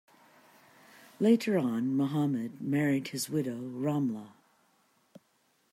Later on Muhammad married his widow, Ramlah.